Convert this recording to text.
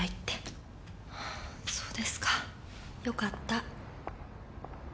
そうですかよかった。